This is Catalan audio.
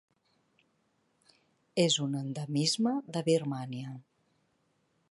És un endemisme de Birmània.